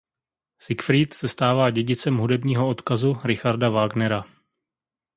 Siegfried se stává dědicem hudebního odkazu Richarda Wagnera.